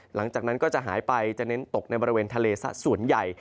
หลังจากนั้นก็จะหายไปจะเน้นตกในบริเวณทะเลสักส่วนใหญ่